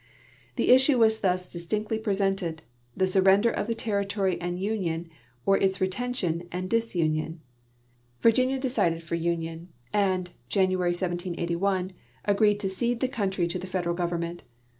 '' The issue was thus distinctl 3^ presented, the surrender of the territoiy and union, or its retention and disunion. Virginia decided for union, and (Januaiy, 1781) agreed to cede the country to the Federal Government.